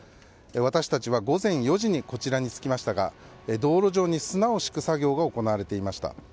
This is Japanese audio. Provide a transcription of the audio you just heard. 私たちは午前４時にこちらに着きましたが道路上に砂を敷く作業が行われていました。